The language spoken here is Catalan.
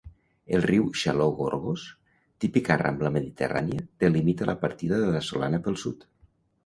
El riu Xaló-Gorgos, típica rambla mediterrània, delimita la partida de la Solana pel sud.